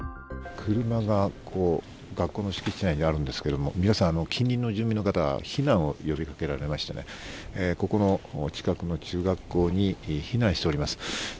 車が学校の敷地内にあるんですけれども、皆さん近隣の住民の方、避難を呼びかけられましてね、こちらの近くの中学校に避難しております。